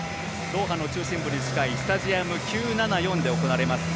ドーハの中心部に近いスタジアム９７４で行われます。